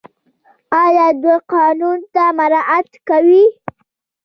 آیا دوی قانون نه مراعات کوي؟